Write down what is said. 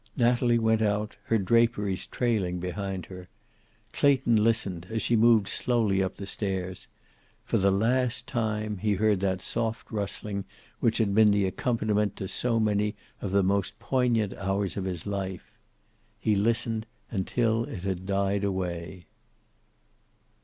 Natalie went out, her draperies trailing behind her. Clayton listened, as she moved slowly up the stairs. For the last time he heard that soft rustling which had been the accompaniment to so many of the most poignant hours of his life. He listened until it had died away.